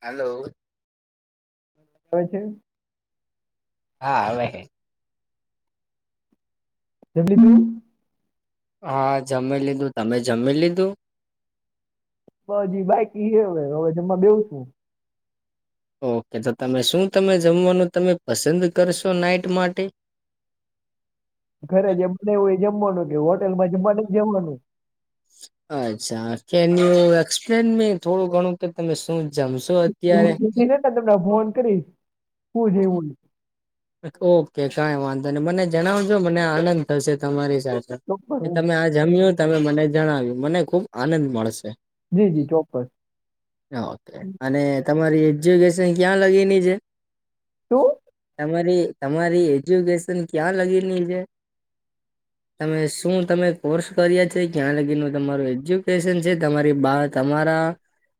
હાલો હા છે. હા, આવે હે. [inaudible] હા, જમી લીધું. તમે જમી લીધું‌. [unintelligible] હજી બાકી હે હવે, હવે જમ્મા બેઉ શું. ઓકે તો તમે શું તમે જમવાનું તમે પસંદ કરશો નાઈટ માટે? ઘરે જમતા હોય એ જમવાનું કે હોટેલમાં જમવા નથ જવાનું. અચ્છા, કેન યુ એક્સપ્લેન મી થોડું ઘણું કે તમે શું જમશો અત્યારે હું જમીને ને તમને ફોન કરીશ શું જેવું ઓકે કઈ વાંધો નહી. મને જણાવજો મને આનંદ થશે તમારી સાથે ચોક્કસ કે હું તમે આ જમ્યું તમે મને જણાવ્યું. મને ખુબ આનંદ મળશે. જી જી ચોક્કસ ઓકે, અને તમારી એજ્યુકેશન ક્યાં લગીની છે? શું? તમારી તમારી એજ્યુકેશન ક્યાં લગીની છે? [inaudible] તમે શું તમે કોર્સ કર્યા છે? ક્યાં લગીનું તમારું એજ્યુકેશન છે? તમારી બા તમારા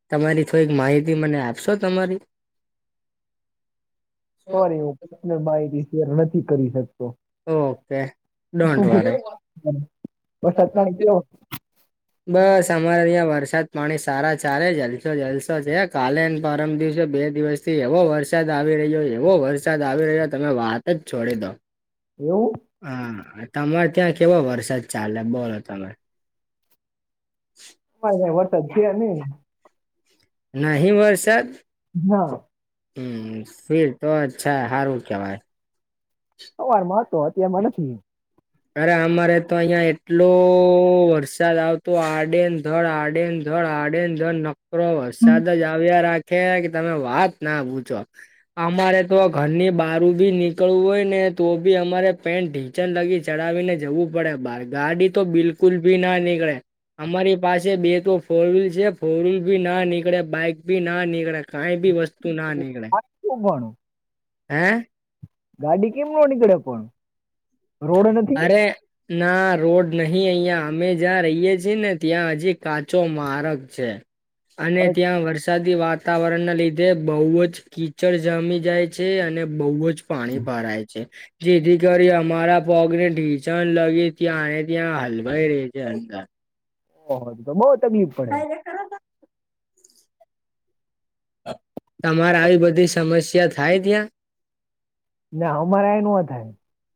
તમારી થોડી માહિતી મને આપશો તમારી? સોરી હું [unintelligible] માહિતી શેર નથી કરી શકતો. ઓકે ડોન્ટ શું કે વરી. વરસાદ પાણી કેવો બસ આમ અમારે અઈયા વરસાદ પાણી સારા ચાલે જલસો જલસો છે કાલેન પરમ દિવસે બે દિવસ થી એવો વરસાદ આવી રહ્યો એવો વરસાદ આવી રહ્યો તમે વાત જ છોડી દો. એવું? હા, તમારે ત્યાં કેવો વરસાદ ચાલે બોલો તમે? અમાર તો અહીં વરસાદ છે નઈ. નહીં વરસાદ? ના હમ, ફિર તો અચ્છા, હારું કેવાય. સવારમાં હતો, અત્યારમાં નથી. અરે અમારે તો અહિયાં એટલો ઓ વરસાદ આવતો આડેન ધડ આડેન ધડ આડેન ધડ નકરો વરસાદ જ આવ્યા રાખે કે તમે વાત ના પૂછો. અમારે તો ઘરની બારું બી નીકળવું હોયને તો બી અમારે પેન્ટ ઢીંચન લગી ચડાવીને જવું પડે બાર, ગાડી તો બિલકુલ બી ના નીકળે. અમારી પાસે બે તો ફોર વ્હીલ છે ફોર વ્હીલ ભી ના નીકળે, બાઈક ભી ના નીકળે, કઈ બી વસ્તુ ના નીકળે. તોપણ. હે... ગાડી કેમ નો નીકળે પણ. રોડ નથી? અરે... ના રોડ નહી અઇયા. અમે જ્યાં રહીએ છે ને ત્યાં હજી કાચો મારગ છે. અને અરે ત્યાં વષૅ સાદી વાતાવરણ ના લીધે બઉ જ કીચળ જામી જાય છે અને બઉ જ પાણી ભરાય છે, જેથી કરી અમારા પગને ઢીંચણ લગી ત્યાં એ ત્યાં હલવાઈ રહી છે અંદર. ઓહો, તો બઉ તકલીફ પડે. તમાર આવી બધી સમસ્યા થાય ત્યાં? [inaudible] ના હમારે આય નો થાય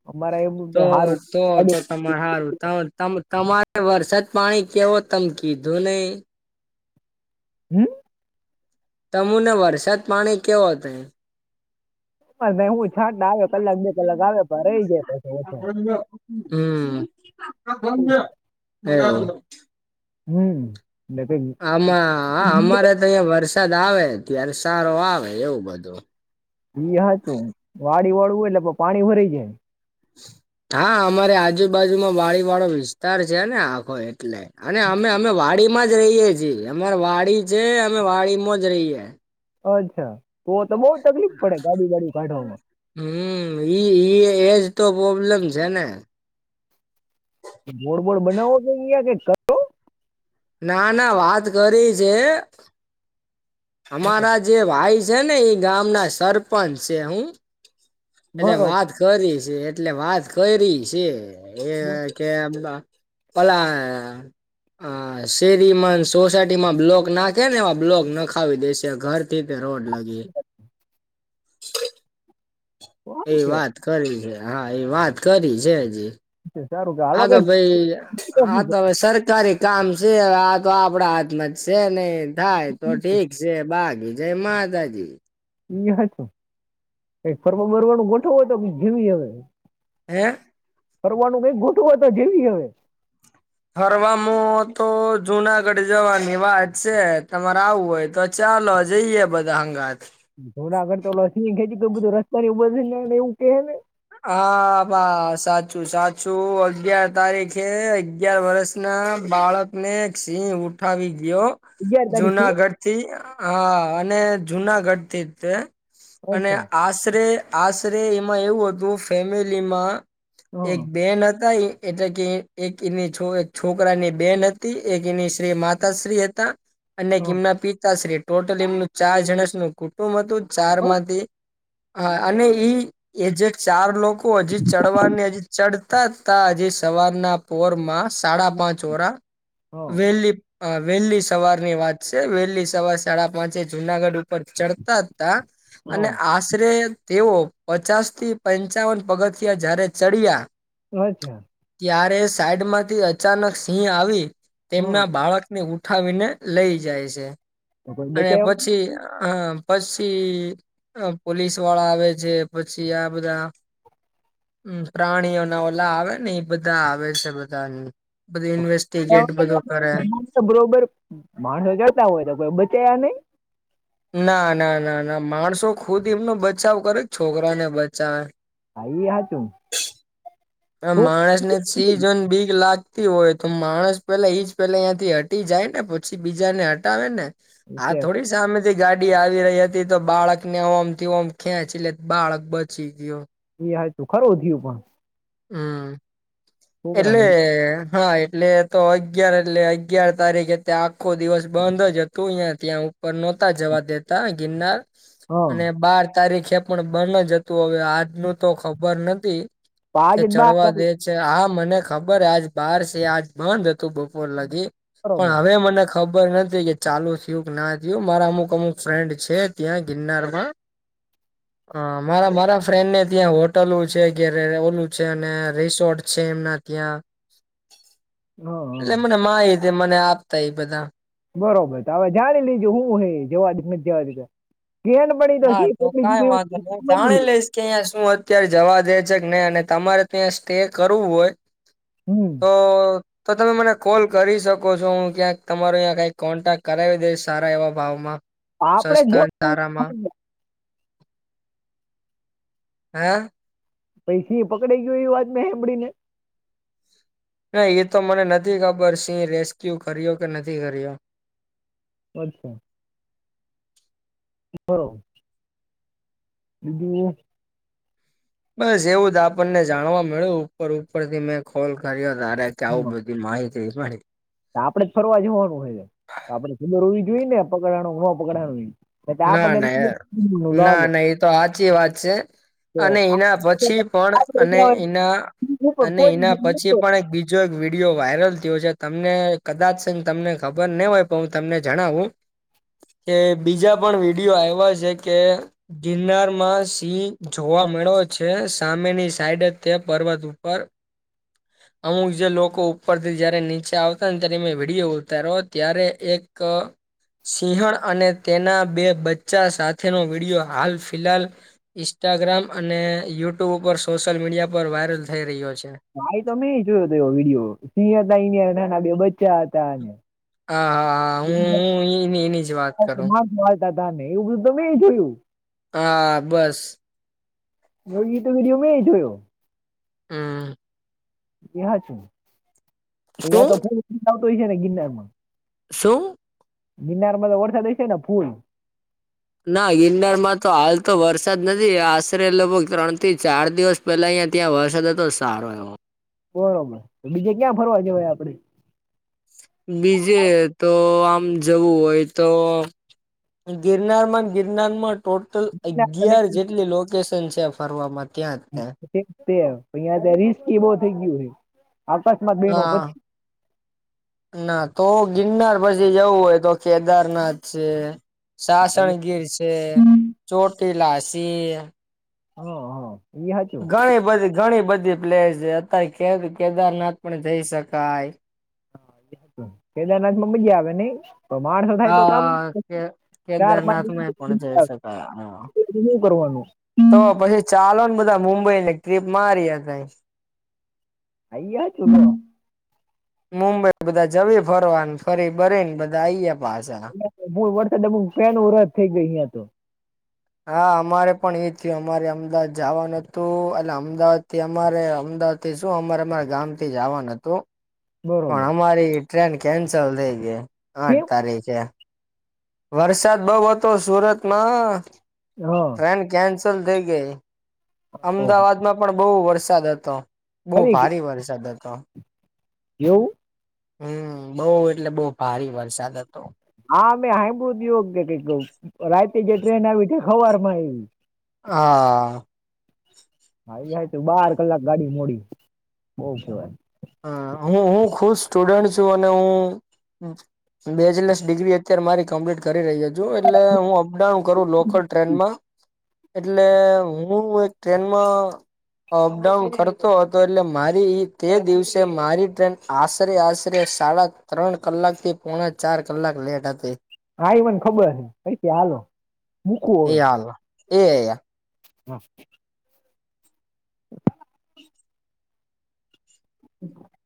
અમારે તો [unintelligible] હારુ [unintelligible] તમ તમારે વરસાદ પાણી કેવો? તમ કીધું નઈ. હમ? તમુને વરસાદ પાણી કેવો તય? [unintelligible] હોઈ. જાય [unintelligible] પછી ઓછો હમ. [unintelligible] હમ્મ [unintelligible] અહીંયા વરસાદ આવે, ત્યારે સારો આવે એવું બધું. એ હાચું. વાળીવાળું હોય એટલેભ પાણી ભરઈ જાય. હા, હમારે આજુબાજુમાં વાળીવાળો વિસ્તાર છે ને આખો એટલે. અને અમે અમે વાડીમાં જ રહીએ છે. અમાર વાળી છે. અમે વાળીમાં જ રહીએ. અચ્છા, તો તો બઉ તકલીપ પડે ગાડી બાડી કાઢવામાં. હમ્મ ઇ ઇ એ જ તો પોબ્લેમ છે ને. ગોળ બોળ બનાવો [unintelligible] ક કરો. ના ના વાત કરી છે હં, હમારા જે ભાઈ છે ને ઈ ગામના સરપંસ શે હો. એટલે ભરો વાત કરી શે એટલે વાત કયરી શે. એ કે [unintelligible] અં શેરીમાંન સોસાયટીમાં બ્લોક નાખેને એવા બ્લોક નખ આવી દેશે, ઘરથી તે રોડ લગી. એ સારું કહેવાય વાત કરી શે, હા એ વાત કરી છે હજી. સારું હાલો આ તો કઈ ભઈ, આ તો હવે સરકારી કામ શે આ તો આપડા હાથમાં ત શે નઇ, થાઈ તો ઠીક શે બાકી જે માતાજી. ઈયે હાચું કઇક ફરવા બરવાનુ ગોઠવો, તો જીવીએ હવે. હે... ફરવાનું કઈક ગોઠવો તો જઈએ હવે. ફરવામો તો જુનાગડ જવાની વાત શે, તમાર આવું હોય તો ચાલો જઈએ બધા હંગાથ. જુનાગઢ તો [unintelligible] રસ્તાને એવું બધું [unintelligible] કે એને હાં બા સાચું સાચું અગ્યાર તારીખે અગ્યાર વરસ ના બાળકને એક સિંહ ઉઠાવી ગ્યો અગિયાર તારીખે જુનાગઢ થી હા અને જુનાગઢ થી જ તે અને અચ્છા આશરે આશરે એમાં એવું હતું ફેમેલીમાં હં એક બેન હતા ઈ એટે કે એક એની છો એક છો છોકરાની બેન અતી એક એની શ્રી માતાશ્રી હતા અને એક હં એમના પિતાશ્રી ટોટલ એમનું ચાર જણસનું કુટુંબ હતું ચાર હં માંથી હા અને ઈ એ જે ચાર લોકો અજી ચડવાને અજી ચડ તા જ તા અજી સવારના પોર માં સાડા પાંચ હોરા વેલી અ વેલ્લી સવારની વાત છે વેલ્લી સવાર સાડા પાંચે જુનાગઢ પર ચડતા જ તા અને હં આશરે તેઓ પચાસ થી પંચાવન પગથિયા જારે ચડ્યા અચ્છા ત્યારે સાઈડમાંથી અચાનક સિંહ આવી તેમના હં બાળક ને ઉઠાવીને લઈ જાય છે તો કોઈ અને બચાવ્યા પછી હં પસી અ પોલીસવાળા આવે છે પછી આ બધા અં પ્રાણીઓના ઓલા આવે ને ઈ બધા આવે છે બધા ની બધે ઇન્વેસ્ટ બચાવ્યા [unintelligible] બધો કરે નહીં? જીવન બરોબર માણહ જાતા હોય તો કોઈ બચાયા નઈ ના ના ના ના માણસો ખુદ એમનો બચાવ કરે ક છોકરાને બચાવે હા ઈ હાચુ આ માણસને જ સિંહ જોઈને બીક લાગતી હોય તો માણસ પેલા ઈજ પેલા આંઈથી હ ટી જાય ને પછી બીજા ને હટાવે ને આ છે થોડી સામે થી ગાડી આવી રહી હતી તો બાળકને ઓમ થી ઓમ ખેંચી લેત બાળક બચી ગ્યો ઈ હાચુ ખરું થયું પણ હં છોકરાને એટલે હા એટલે તો અગિયાર એટલે અગિયાર તારીખે ત્યાં આખો દિવસ બંધ જ હતું અઈયા ત્યાં ઉ પર નોતા જવા દેતા ગિરનાર હં અને બાર તારીખે પણ બંન જ હતું હવે આજનું તો ખબર નથી. કે પાંચ જ બાર ચડવા દે તારીખ છે હા મને ખબર આજ બાર સે આજ બંધ હતું બપોર લગી પણ બરોબર હવે મને ખ ખબર નથી કે ચાલુ થયું કે ના થયું મારા અમુક અમુક ફ્રેન્ડ છે ત્યાં ગિરનારમાં હં મારા મારા ફ્રેન્ડને ત્યાં હોટલું છે કે [unintelligible] [unintelligible] રિસોર્ટ છે એમના ત્યાં હં હં એટલે મને માહિતી મને આપતા એ બધા બરોબર તો હવે જાણી લેજો હું હે જવા દે કે નથ જવા દે તા હા તો કઈ વાંધો નહી હું જાણી [unintelligible] [unintelligible] લઈશ કે અંઈયા શું અત્યારે જવા દે છે કે નઈ અને તમારે ત્યાં સ્ટે કરવું હોય. હમ્મ તો તો તમે મને કોલ કરી શકો છો હું ક્યાંક તમારો અઈયા કંઈક કોન્ટેક્ટ કરાવી દઈશ સારા એવા ભાવમાં આપણે સસ્તા જ ન જવું સારામાં હા સીહ પકડીયુ ગયું એવી વાત મેં સાંભળી નઈ ના એ તો મને નથી ખબર સિહ રેસ્ક્યુ કર્યો કે નથી કર્યો અચ્છા. બરોબર. [unintelligible] બસ એવું આપણને જાણવા મળ્યું ઉપર ઉપર થી મેં કોલ કર્યો તારે કે આવું બધું માહિતી મળી આપડે જ ફરવા જવાનું હોય છે તો આપડે ખબર હોવી જોઈએ ને પકડાણો કે નો પકડાનોએ ના ના યાર ના ના એ તો સાચી વાત છે. તો અને એના પછી પણ આપણે અને ગયા હોય એના તો ઉપર અને પહોંચી એના જાય પછી નહોતો. પણ એક બીજ જો એક વિડીયો વાયરલ થયો છે તમને કદાચ તમને ખબર નહી હોય પણ હું તમને જણાવું કે બીજા પણ વિડીયો આઇવા છે કે ગિરનારમાં સિંહ જોવા મળ્યો છે સામેની સાઈડ તે પર્વત ઉપર [inaudible] અમુક જે લોકો ઉપરથી જયારે નીચે આવતા ને ત્યારે મે વિડીયો ઉતાર્યો ત્યારે એક અ સિંહણ અને તેના બે બચ્ચા સાથેનો વિડિયો હાલ ફિલહાલ ઇન્સ્ટાગ્રામ અને યુટ્યુબ ઉપર સોશિયલ મીડિયા પર વાયરલ થઈ રહ્યો છે. ભાઈ અમેઈ જોયો હતો એ વિડિયો સિંહ હતા ના બે બચ્ચા હતા ને હા હા હું હું એની જ વાત કરું દાદા ને એવું બધું મે જોયું હા બસ. એ વિડીયો મે જોયો હમ્મ. ત્યા છું તયા શું તો ફુલ તો હોય છે ને ગિરનારમાં શું ગીરનારમાં તો વરસાદ હશેને ફૂલ ના ગિરનારમાં તો હાલ તો વરસાદ નથી આશરે લગભગ ત્રણ થી ચાર દિવસ પેલા અહિયાં ત્યાં વરસાદ હતો સારો એવો બરોબર તો બીજે ક્યાં ફરવા જવાય આપડે બીજે તો આમ જવું હોય તો ગિરનાર માં ગિરનાર માં ટોટલ અગિયાર જેટલી લોકેશન છે ફરવા માટે [unintelligible] એ બો થઈ ગયું આ બસ હા. [inaudible] ના તો ગિરનાર પછી જવું હોય તો કેદારનાથ છે. હા સાસણગીર છે ચોટીલા છે. હા હા. એ સાચું ઘણી બધી ઘણી બધી પ્લેસ છે અત્યારે કેદારનાથ પણ જઈ શકાય. કેદારનાથમાં મજા આવે નઈ તો માણસ થાય તો કામ હા કે ચાર કેદારનાથમાં પણ જઈ પાંચમૂ શકાય હા [unintelligible] હું કરવાનું તો પછી ચાલોને બધા મુંબઈની ટ્રીપ મારી એ તઈ અહીંયા શું છે. મુંબઈ બધા જઇએ ફરવા ફરી બરીને બધા આઈએ પાછા હ વરસાદ ડમુક પેન રદ થઈ ગઈ અહિયાં તો હા અમારે પણ એઈ થયું અમારે અમદાવાદ જવાનું હતું એટલે અમદાવાદ થી અમારે અમદાવાદ એ શું અમારા ગામથી જવાનું હતું. પણ બરોબર અમારી ટ્રેન કેન્સલ થઇ ગઈ આઠ કેમ તારીખે વરસાદ બઉ હતો સુરતમાં હ ટ્રેન કેન્સલ થઈ ગઈ ઓહો. અમદાવાદમાં પણ બહુ વરસાદ હતો બઉ ખરી કે ભારી વરસાદ હતો એવું હમ બઉ એટલે બઉ ભારી વરસાદ હતો હા મે સાાંભળું કે રાતે જે ટ્રેન આવી તે ઠેક હવાર માં આવી [inaudible] હા હા ઈ રાયતે બાર કલાક ગાડી મોડી બઉ કેવાય હા હું હું ખૂદ સ્ટુડન્ટ છું અને હું બેચલસ ડિગ્રી અત્યારે મારી કમ્પ્લીટ કરી રહ્યો છું એટલે હું અપડાઉન કરું લોકલ ટ્રેનમાં એટલે હું એક ટ્રેનમાં અપડાઉન કરતો હતો એટલે મારી ઈ તે દિવસે તે મારી ટ્રેન આશરે આશરે સાડા ત્રણ કલાકથી પોણા ચાર કલાક લેટ હતી. હા એ મને ખબર હે હયસે હાલો મૂકો એ હવે હાલ એ અયા હા. [inaudible]